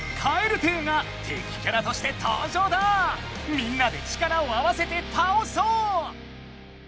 みんなで力を合わせてたおそう！